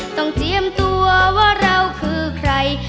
ต้องเจียมตัวว่าเราคือใคร